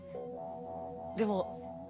でも。